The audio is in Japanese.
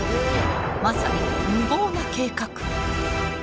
まさに無謀な計画。